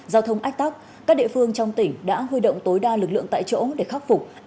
giao thông ách tắc các địa phương trong tỉnh đã huy động tối đa lực lượng tại chỗ để khắc phục